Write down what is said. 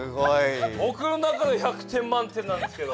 ぼくの中で１００点満点なんですけど。